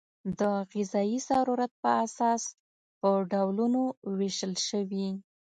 د غذایي ضرورت په اساس په ډولونو وېشل شوي.